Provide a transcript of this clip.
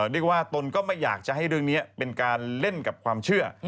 เรียกว่าตนก็ไม่อยากจะให้เรื่องนี้เป็นการเล่นกับความเชื่อ